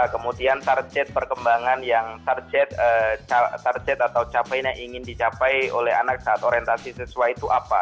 kemudian target perkembangan yang target atau capaian yang ingin dicapai oleh anak saat orientasi siswa itu apa